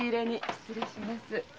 失礼します。